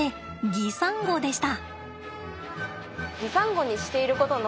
擬サンゴでした。